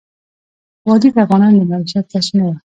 وادي د افغانانو د معیشت سرچینه ده.